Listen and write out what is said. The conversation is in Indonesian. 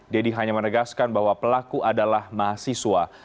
deddy hanya menegaskan bahwa pelaku adalah mahasiswa